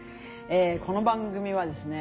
この番組はですね